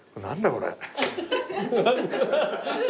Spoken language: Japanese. これ。